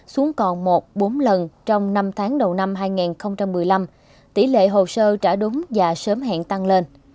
xuống còn một bốn lần trong năm tháng đầu năm hai nghìn một mươi năm tỷ lệ hồ sơ trả đúng và sớm hẹn tăng lên